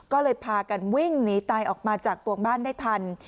ก็เลยพากันวิ่งหนีตายออกมาจากตัวบ้านได้ทัน